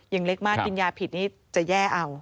ยังเล็กมากกินยาผิดนี่จะแย่เอา